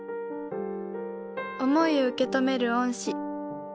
思いを受け止める恩師。